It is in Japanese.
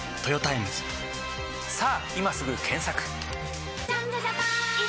さぁ今すぐ検索！